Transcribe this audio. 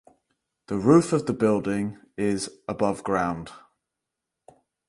The roof of the building is above ground.